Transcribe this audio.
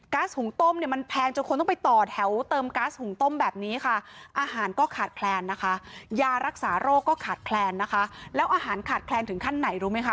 หุงต้มเนี่ยมันแพงจนคนต้องไปต่อแถวเติมก๊าซหุงต้มแบบนี้ค่ะอาหารก็ขาดแคลนนะคะยารักษาโรคก็ขาดแคลนนะคะแล้วอาหารขาดแคลนถึงขั้นไหนรู้ไหมคะ